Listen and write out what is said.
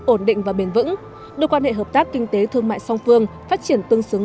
ổn định và bền vững đưa quan hệ hợp tác kinh tế thương mại song phương phát triển tương xứng